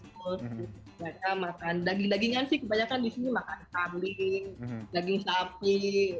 mereka makan daging dagingan sih kebanyakan di sini makan kambing daging sapi